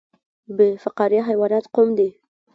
بې فقاریه حیوانات کوم دي؟